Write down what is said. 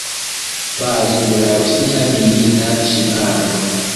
Bazo de la rusia milita ŝiparo.